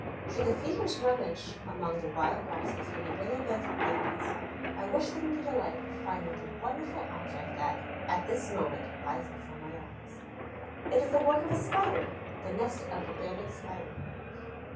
Should the seekers rummage among the wild grasses in the willow beds and thickets, I wish them the delight of finding the wonderful object that, at this moment, lies before my eyes. It is the work of a Spider, the nest of the Banded Spider.